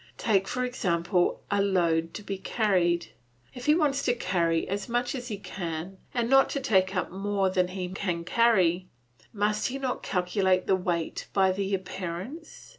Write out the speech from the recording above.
Take, for example, a load to be carried; if he wants to carry as much as he can, and not to take up more than he can carry, must he not calculate the weight by the appearance?